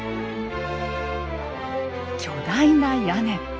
巨大な屋根。